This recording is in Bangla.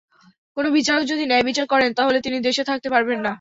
কোনো বিচারক যদি ন্যায়বিচার করেন, তাহলে তিনি দেশে থাকতে পারবেন না।